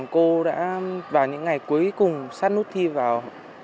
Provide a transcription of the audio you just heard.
cô đã vào những ngày cuối cùng sát nút thi vào